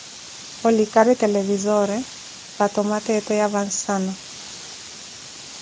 olikari televisore va tomaata eto ya vansana.